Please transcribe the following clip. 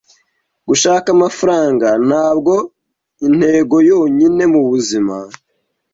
Gushaka amafaranga ntabwo intego yonyine mubuzima.